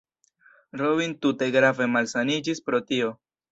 Robin tute grave malsaniĝis pro tio.